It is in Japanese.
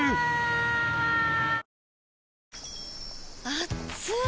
あっつい！